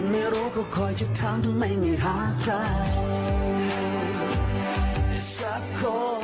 ไม่รออีก